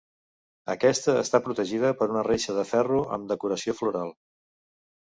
Aquesta està protegida per una reixa de ferro amb decoració floral.